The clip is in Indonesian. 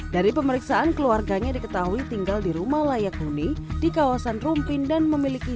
dari pemeriksaan keluarganya diketahui tinggal di rumah layak huni di kawasan rumpin dan memiliki